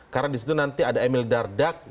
karena disitu nanti ada emil dardag